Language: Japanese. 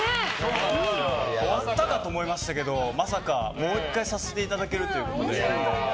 終わったかと思いましたがまさかもう１回させていただけるということで。